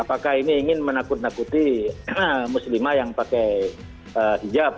apakah ini ingin menakut nakuti muslimah yang pakai hijab